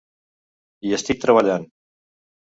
Hi estic treballant.